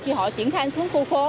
chỉ họ chuyển khai xuống khu phố